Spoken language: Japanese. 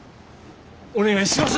お願いします！